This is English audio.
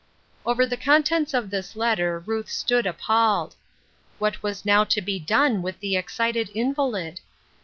Over the contents of this letter Ruth stood appalled. What was now to be done with the ex cited invalid